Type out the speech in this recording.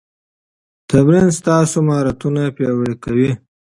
تمرین ستاسو مهارتونه پیاوړي کوي.